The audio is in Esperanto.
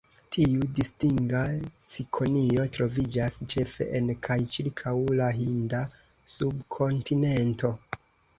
Tiu distinga cikonio troviĝas ĉefe en kaj ĉirkaŭ la Hinda subkontinento.